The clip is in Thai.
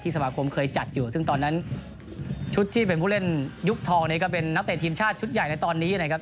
สมาคมเคยจัดอยู่ซึ่งตอนนั้นชุดที่เป็นผู้เล่นยุคทองเนี่ยก็เป็นนักเตะทีมชาติชุดใหญ่ในตอนนี้นะครับ